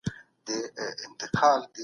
هغه په غونډه کې ناڅاپه سر درد شو.